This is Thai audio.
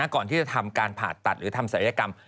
ก่อนที่จะทำการผ่าตัดหรือทำศัยกรรม